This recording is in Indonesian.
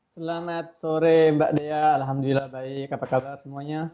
selamat sore mbak dea alhamdulillah baik apa kabar semuanya